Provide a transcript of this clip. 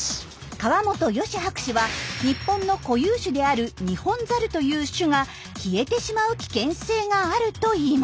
川本芳博士は日本の固有種であるニホンザルという種が消えてしまう危険性があるといいます。